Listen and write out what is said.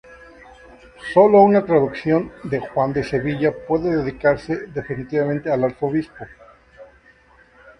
Solo una traducción, de Juan de Sevilla, puede dedicarse definitivamente al arzobispo.